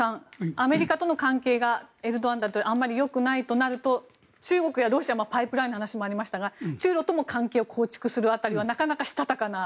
アメリカとの関係がエルドアン大統領あまりよくないとなると中国やロシアもパイプラインの話もありましたが中ロとも関係を構築する辺りはなかなかしたたかな。